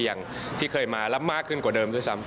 อย่างที่เคยมารับมากขึ้นกว่าเดิมที่สำ